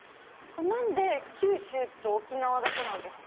何で九州と沖縄だけなんですか？